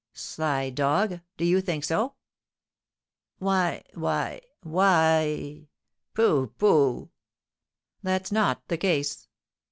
"Sly dog! Do you think so?" "Why why why " "Pooh! pooh!" "That's not the case."